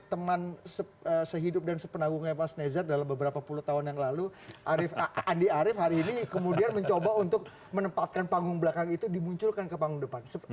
teman sehidup dan sepenagungnya pak snezat dalam beberapa puluh tahun yang lalu andi arief hari ini kemudian mencoba untuk menempatkan panggung belakang itu dimunculkan ke panggung depan